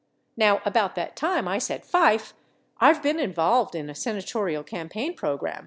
Now, about that time I said, Fife, I've been involved in a senatorial campaign program.